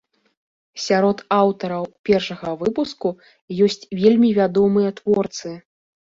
Сярод аўтараў першага выпуску ёсць вельмі вядомыя творцы.